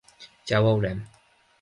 Ja ho veurem.